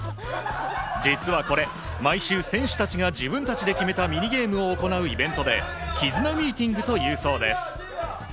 実はこれ、毎週、選手たちが自分たちで決めたミニゲームを行うイベントで、絆ミーティングというそうです。